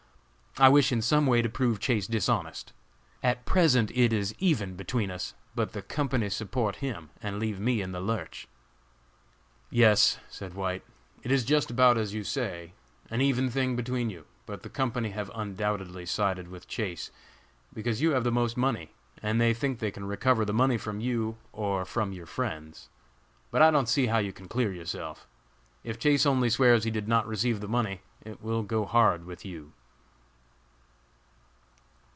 I wish in some way to prove Chase dishonest. At present it is even between us, but the company support him and leave me in the lurch." "Yes," said White, "it is just about as you say, an even thing between you; but the company have undoubtedly sided with Chase because you have the most money, and they think they can recover the amount from you or from your friends! But I don't see how you can clear yourself. If Chase only swears he did not receive the money, it will go hard with you."